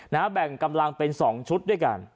แบ่งกำลังเป็นสองชุดด้วยกัน